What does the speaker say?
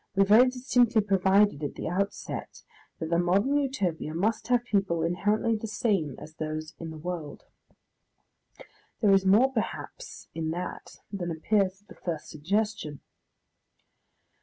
We very distinctly provided at the outset that the modern Utopia must have people inherently the same as those in the world. There is more, perhaps, in that than appears at the first suggestion.